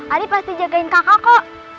adi pasti jagain kakak kok